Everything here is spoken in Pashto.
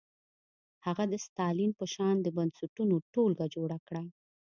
هغه د ستالین په شان د بنسټونو ټولګه جوړه کړه.